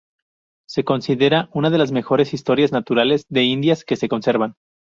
Se considera una de las mejores Historias Naturales de Indias que se conservan.